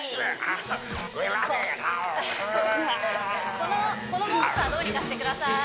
このモンスターどうにかしてください